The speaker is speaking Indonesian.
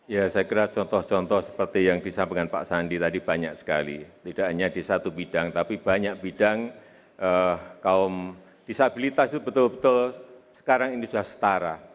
ya saya kira contoh contoh seperti yang disampaikan pak sandi tadi banyak sekali tidak hanya di satu bidang tapi banyak bidang kaum disabilitas itu betul betul sekarang ini sudah setara